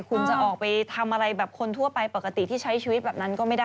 คุณจะออกไปทำอะไรแบบคนทั่วไปปกติที่ใช้ชีวิตแบบนั้นก็ไม่ได้